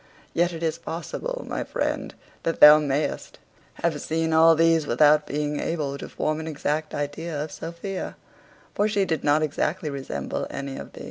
Yet is it possible, my friend, that thou mayest have seen all these without being able to form an exact idea of Sophia; for she did not exactly resemble any of them.